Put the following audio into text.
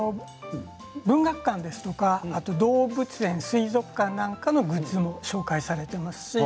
文学館や動物園、水族館のグッズも紹介されています。